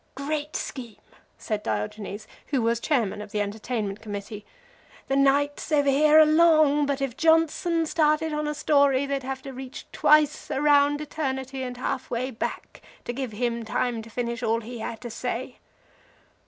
"Great scheme," said Diogenes, who was chairman of the entertainment committee. "The nights over here are long, but if Johnson started on a story they'd have to reach twice around eternity and halfway back to give him time to finish all he had to say."